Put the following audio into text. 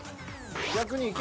逆にいけ。